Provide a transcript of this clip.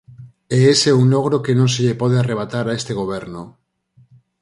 E ese é un logro que non se lle pode arrebatar a este goberno.